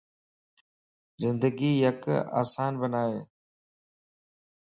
زندگي يڪ آسان بنائي